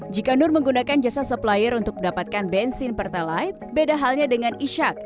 jika nur menggunakan jasa supplier untuk mendapatkan bensin pertalite beda halnya dengan ishak